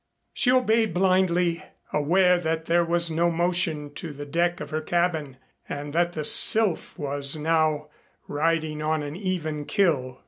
She obeyed blindly aware that there was no motion to the deck of her cabin and that the Sylph was now riding on an even keel.